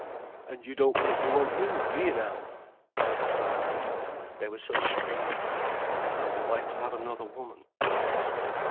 "And you don't make me want you, do you now?" There was a silence. They were such strangers. "Would you like to have another woman?" she asked.